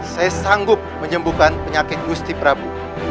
saya sanggup menyembuhkan penyakit gusti prabu